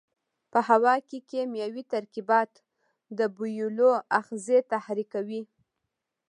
په هوا کې کیمیاوي ترکیبات د بویولو آخذې تحریکوي.